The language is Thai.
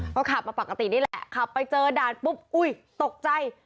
ก็ขับมาปกตินี่แหละขับไปเจอด่านปุ๊บอุ้ยตกใจ